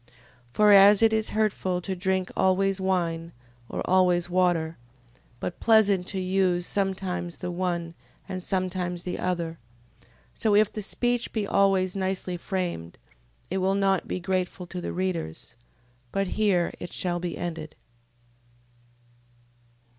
For as it is hurtful to drink always wine, or always water, but pleasant to use sometimes the one, and sometimes the other: so if the speech be always nicely framed, it will not be grateful to the readers. But here it shall be ended.